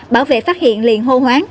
bảo vệ phát hiện liền hô hoán